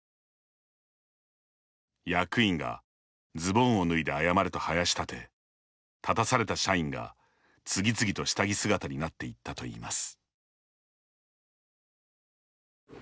役員が「ズボンを脱いで謝れ」とはやしたて、立たされた社員が次々と下着姿になっていったといいます。